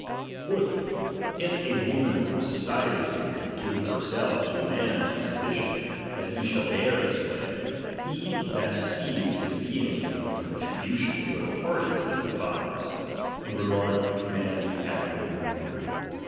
Fourthly, if a woman for society's sake give herself to a man on this condition, that he shall bear the sway ; he that receives his being from the contribution of both parties, is the father's, in regard of the com mand he hath over the mother.